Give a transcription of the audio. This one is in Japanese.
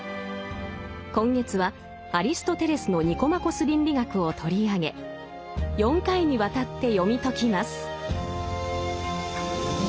今月はアリストテレスの「ニコマコス倫理学」を取り上げ４回にわたって読み解きます。